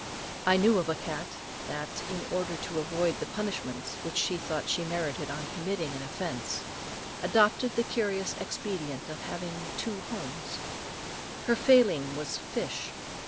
I knew of a cat that, in order to avoid the punishment which she thought she merited on committing an offence, adopted the curious expedient of having two homes. Her failing was fish.